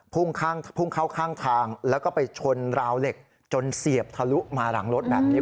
พุ่งเข้าข้างทางแล้วก็ไปชนราวเหล็กจนเสียบทะลุมาหลังรถแบบนี้